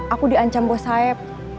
aku diancam bos saeb